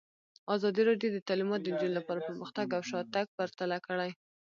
ازادي راډیو د تعلیمات د نجونو لپاره پرمختګ او شاتګ پرتله کړی.